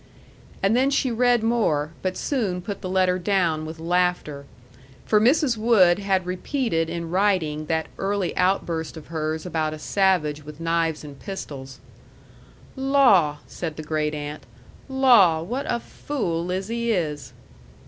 And then she read more, but soon put the letter down with laughter. For Mrs. Wood had repeated in writing that early outburst of hers about a savage with knives and pistols. "Law!" said the great aunt. "Law, what a fool Lizzie is!"